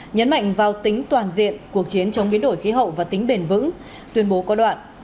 nhấn mạnh vào tính toàn diện cuộc chiến chống biến đổi khí hậu và tính bền vững tuyên bố có đoạn